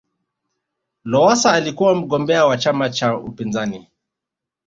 lowasa alikuwa mgombea wa chama cha upinzani